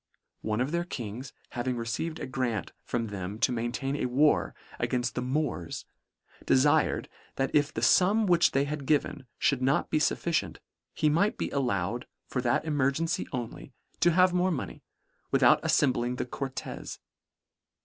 One of their Kings having received a grant from them to maintain a war againft the Moors, defired, that if the fum which they had given, mould not be fufficient, he might be allowed for that emergency only, to have more money, without aiTembling the Cortes.